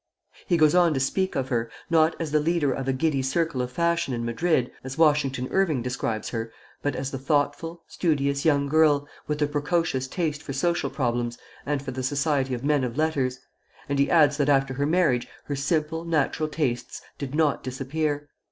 He goes on to speak of her, not as the leader of a giddy circle of fashion in Madrid, as Washington Irving describes her, but as the thoughtful, studious young girl, with a precocious taste for social problems and for the society of men of letters; and he adds that after her marriage her simple, natural tastes did not disappear.